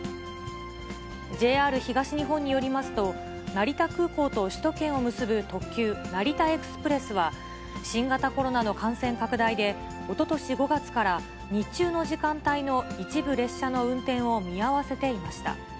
ＪＲ東日本によりますと、成田空港と首都圏を結ぶ特急成田エクスプレスは、新型コロナの感染拡大で、おととし５月から日中の時間帯の一部列車の運転を見合わせていました。